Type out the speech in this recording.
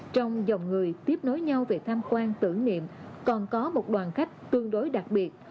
trong dòng người tiếp nối nhau về tham quan tử niệm còn có một đoàn khách tương đối đặc biệt